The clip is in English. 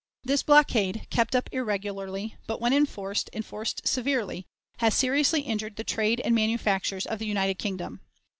This blockade, kept up irregularly, but, when enforced, enforced severely, has seriously injured the trade and manufactures of the United Kingdom.